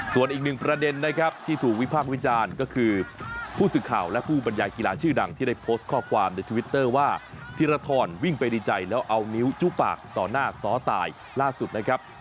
ส่วนอีกหนึ่งประเด็นนะครับที่ถูกวิพากษ์วิจารณ์ก็คือผู้สื่อข่าวและผู้บรรยายกีฬาชื่อดังที่ได้โพสต์ข้อความในทวิตเตอร์ว่าธิรทรวิ่งไปดีใจแล้วเอานิ้วจุปากต่อหน้าซ้อตายล่าสุดนะครับ